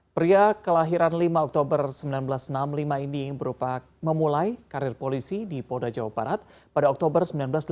pria kelahiran lima oktober seribu sembilan ratus enam puluh lima ini berupa memulai karir polisi di polda jawa barat pada oktober seribu sembilan ratus delapan puluh